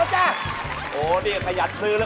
เฮ่ยเท่อีกทีนี่เลย